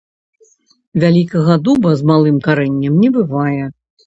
Вялікага дуба з малым карэннем не бывае